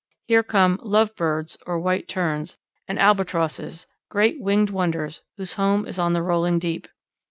Here come "Love Birds" or White Terns, and Albatrosses, great winged wonders whose home is on the rolling deep.